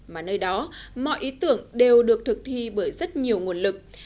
mà nơi đó mọi ý tưởng đều được thực thi bởi rất nhiều nguồn lực